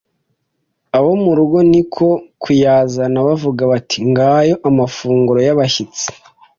Abo murugo ni ko kuyazana bavuga bati Ngayo amafunguro y'abashyitsi